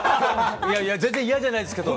全然嫌じゃないですけど。